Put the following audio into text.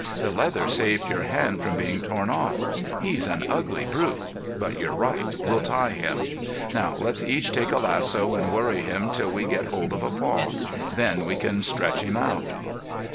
"The leather saved your hand from being torn off. He's an ugly brute, but you're right, we'll tie him. Now, let's each take a lasso and worry him till we get hold of a paw. Then we can stretch him out."